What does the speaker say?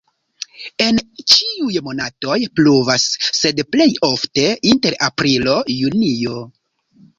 En ĉiuj monatoj pluvas, sed plej ofte inter aprilo-junio.